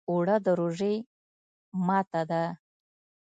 اوړه د روژې ماته ده